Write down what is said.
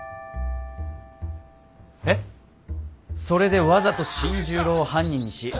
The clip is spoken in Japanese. それでわざと新十郎を犯人にし。